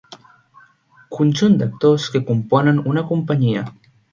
Conjunt d'actors que componen una companyia.